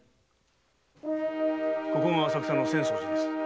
ここが浅草の浅草寺です。